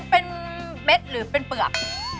เป็นเม็ดหรือเป็นเปลือก